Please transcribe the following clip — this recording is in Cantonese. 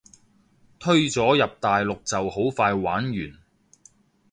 推咗入大陸就好快玩完